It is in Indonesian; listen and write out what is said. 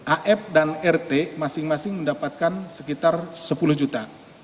af dan rt masing masing mendapatkan sekitar sepuluh juta